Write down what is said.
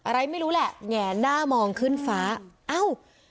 อะไรไม่รู้แหละแหงหน้ามองขึ้นฟ้าเอ้า